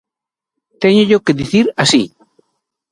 Téñollo que dicir así.